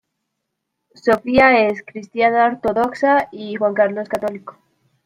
Sofía es cristiana ortodoxa y Juan Carlos católico.